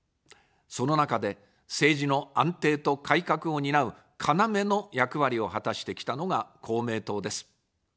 その中で、政治の安定と改革を担う要の役割を果たしてきたのが公明党です。